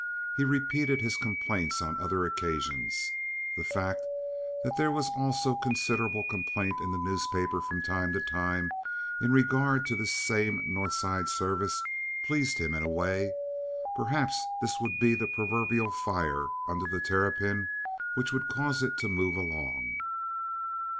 He repeated his complaints on other occasions. The fact that there was also considerable complaint in the newspapers from time to time in regard to this same North Side service pleased him in a way. Perhaps this would be the proverbial fire under the terrapin which would cause it to move along.